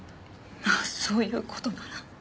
まあそういう事なら。